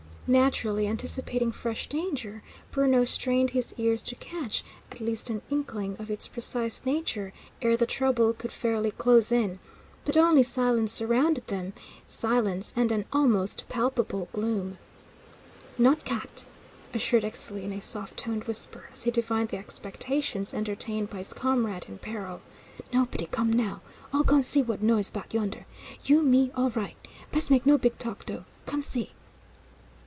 Naturally anticipating fresh danger, Bruno strained his ears to catch at least an inkling of its precise nature ere the trouble could fairly close in; but only silence surrounded them, silence, and an almost palpable gloom. "Not cat," assured Ixtli, in a soft toned whisper, as he divined the expectations entertained by his comrade in peril. "Nobody come, now. All gone see what noise 'bout, yonder. You, me, all right. Best mek no big talk, dough. Come see!"